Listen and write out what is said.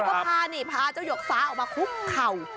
เจ้าของไล่ก็พาเจ้าหยกฟ้าออกมาคุกเข่า